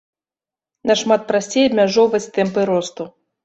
Нашмат прасцей абмяжоўваць тэмпы росту.